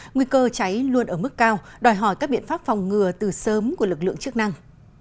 nguy cơ cháy luôn ở mức cao đòi hỏi các biện pháp phòng ngừa từ sớm của lực lượng chức năng